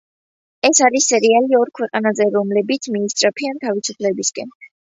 ეს არის სერიალი ორ ქვეყანაზე, რომლებიც მიისწრაფვიან თავისუფლებისკენ.